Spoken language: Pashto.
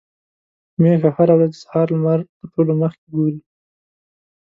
ميښه هره ورځ د سهار لمر تر ټولو مخکې ګوري.